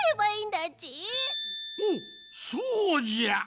おおそうじゃ！